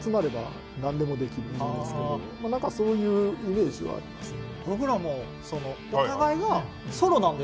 何かそういうイメージはありますね。